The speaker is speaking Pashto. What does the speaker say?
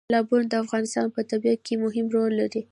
تالابونه د افغانستان په طبیعت کې مهم رول لري.